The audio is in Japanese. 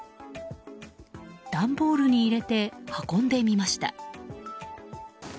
段ボールに入れて運んでみました。